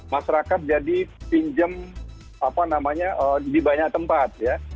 masyarakat jadi pinjam apa namanya di banyak tempat ya